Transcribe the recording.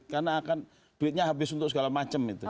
karena akan duitnya habis untuk segala macam itu